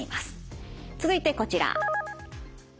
続いてこちら。